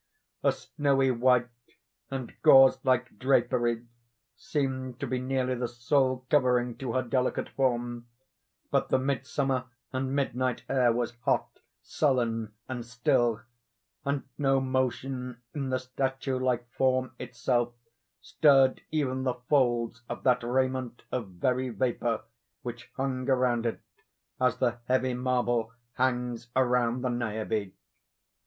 A snowy white and gauze like drapery seemed to be nearly the sole covering to her delicate form; but the mid summer and midnight air was hot, sullen, and still, and no motion in the statue like form itself, stirred even the folds of that raiment of very vapor which hung around it as the heavy marble hangs around the Niobe.